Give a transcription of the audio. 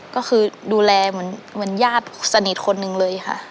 ก็คือดูแลเหมือนญาติสนิทคนหนึ่งเลยค่ะ